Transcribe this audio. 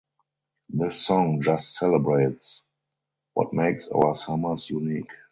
This song just celebrates what makes our summers unique.